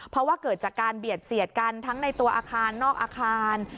เพราะว่าเกิดจากการเบียดเสียดกันทั้งในตัวอาคารนอกอาคาร